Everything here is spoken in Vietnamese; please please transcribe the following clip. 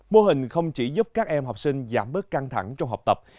mô hình không chỉ giúp các em học sinh giảm bớt căng thẳng trong học tập